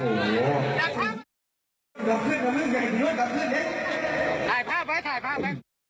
โอ้โหอย่างงี้ไม่น่าทดนะครับผม